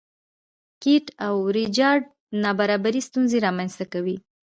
کیټ او ریچارډ نابرابري ستونزې رامنځته کوي.